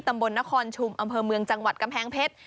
ตำบลนครชุมอำเภอเมืองจังหวัดกำแพงเพชร